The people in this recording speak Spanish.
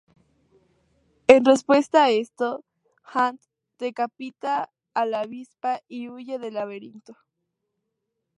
En respuesta a esto, Hank decapita a la Avispa y huye del laboratorio.